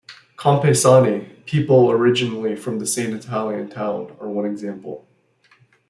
"Compaesani" - people originally from the same Italian town - are one example.